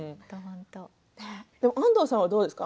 安藤さんはどうですか？